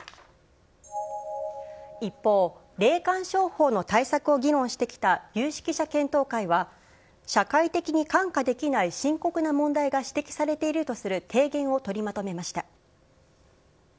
一方、霊感商法の対策を議論してきた有識者検討会は、社会的に看過できない深刻な問題が指摘されているとする提言を取りまとめました。